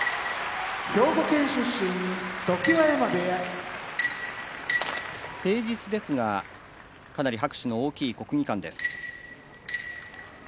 常盤山部屋平日ですがかなり拍手が大きい国技館です。